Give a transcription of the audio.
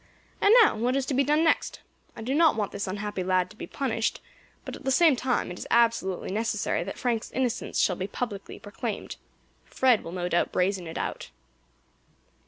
And now what is to be done next? I do not want this unhappy lad to be punished, but at the same time it is absolutely necessary that Frank's innocence shall be publicly proclaimed. Fred will no doubt brazen it out."